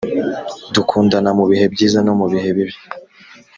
dukundana mubihe byiza no mu bihe bibi.